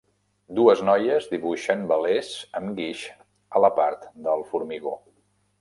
Dues noies dibuixen velers amb guix a la part del formigó.